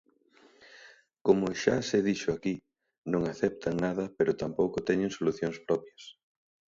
Como xa se dixo aquí, non aceptan nada pero tampouco teñen solucións propias.